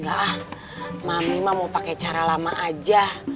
gak ah mami mah mau pake cara lama aja